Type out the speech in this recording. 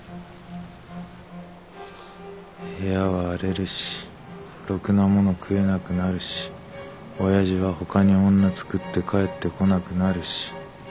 部屋は荒れるしろくなもの食えなくなるし親父は他に女つくって帰ってこなくなるし。